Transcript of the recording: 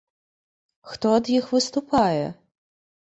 Хто ад іх выступае?